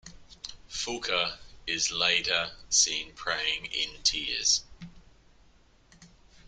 Fuka is later seen praying in tears.